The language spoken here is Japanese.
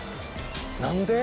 何で？